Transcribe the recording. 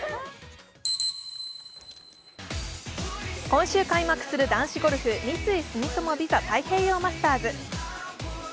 今週開幕する男子ゴルフ三井住友ＶＩＳＡ太平洋マスターズ。